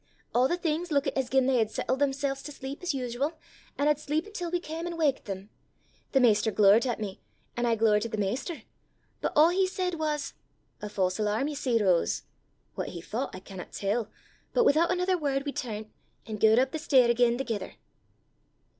A' the things luikit as gien they had sattlet themsel's to sleep as usual, an' had sleepit till we cam an' waukit them. The maister glowert at me, an' I glowert at the maister. But a' he said was, 'A false alarm, ye see, Rose!' What he thoucht I canna tell, but withoot anither word we turnt, an' gaed up the stair again thegither.